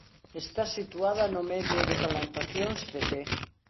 Está situada no medio de plantacións de té.